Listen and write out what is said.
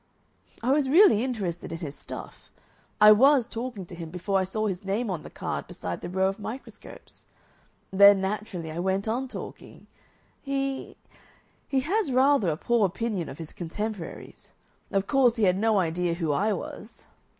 "I was really interested in his stuff. I WAS talking to him before I saw his name on the card beside the row of microscopes. Then, naturally, I went on talking. He he has rather a poor opinion of his contemporaries. Of course, he had no idea who I was."